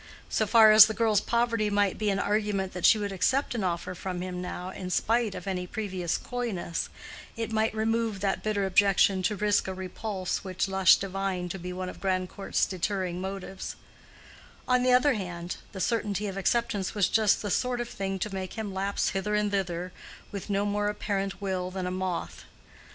So far as the girl's poverty might be an argument that she would accept an offer from him now in spite of any previous coyness, it might remove that bitter objection to risk a repulse which Lush divined to be one of Grandcourt's deterring motives; on the other hand, the certainty of acceptance was just "the sort of thing" to make him lapse hither and thither with no more apparent will than a moth.